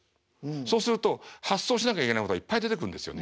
そうすると発想しなきゃいけないことがいっぱい出てくるんですよね。